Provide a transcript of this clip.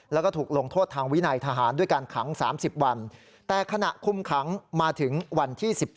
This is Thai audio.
แล้วก็ถูกลงโทษทางวินัยทหารด้วยการขัง๓๐วัน